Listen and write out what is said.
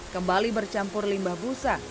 kembali bercampur limbah busa